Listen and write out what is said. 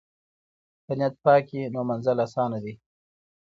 که نیت پاک وي نو منزل آسانه دی.